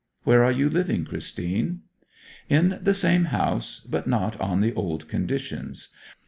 Where are you living, Christine?' 'In the same house, but not on the old conditions.